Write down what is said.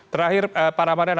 terakhir pak ramadhan